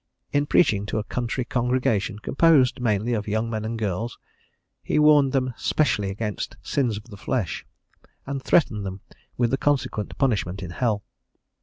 In preaching to a country congregation composed mainly of young men and girls, he warned them specially against sins of the flesh, and threatened them with the consequent punishment in hell.